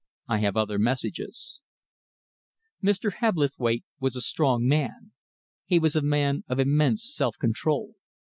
I have other messages_." Mr. Hebblethwaite was a strong man. He was a man of immense self control.